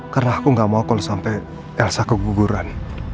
karena aku gak mau kalau sampai elsa keguguran